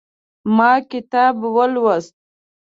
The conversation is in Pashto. ما کتاب ولوست